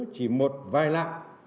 chỉ một vài lạ